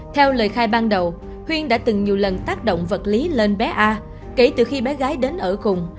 theo lời khai ban đầu huyên đã từng nhiều lần tác động vật lý lên bé a kể từ khi bé gái đến ở cùng